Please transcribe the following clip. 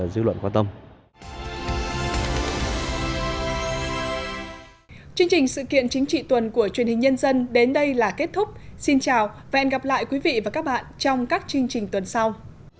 được dư luận quan tâm